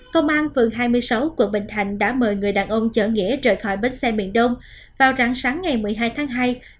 công an phường hai mươi sáu quận bình thạnh đã mời người đàn ông chở nghĩa rời khỏi bến xe miền đông vào rạng sáng ngày một mươi hai tháng hai